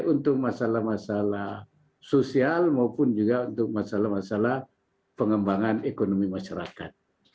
untuk masalah masalah sosial maupun juga untuk masalah masalah pengembangan ekonomi masyarakat